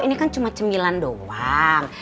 ini kan cuma cemilan doang